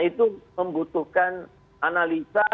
itu membutuhkan analisa